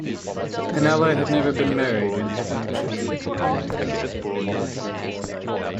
Pannella had never been married and had no children.